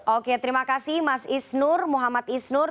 oke terima kasih mas isnur muhammad isnur